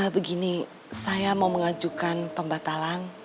begini saya mau mengajukan pembatalan